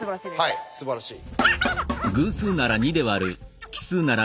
はいすばらしい。